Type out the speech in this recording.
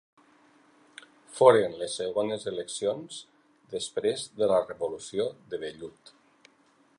Foren les segones eleccions després de la Revolució de Vellut.